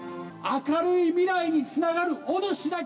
明るい未来につながる。